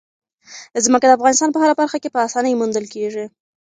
ځمکه د افغانستان په هره برخه کې په اسانۍ موندل کېږي.